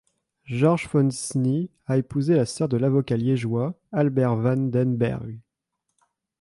Georges Fonsny a épousé la sœur de l'avocat liégeois, Albert Van den Berg.